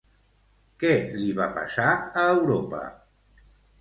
Què li va passar a Europa?